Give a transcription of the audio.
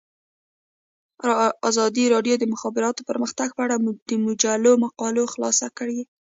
ازادي راډیو د د مخابراتو پرمختګ په اړه د مجلو مقالو خلاصه کړې.